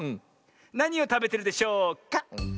なにをたべてるでしょうか？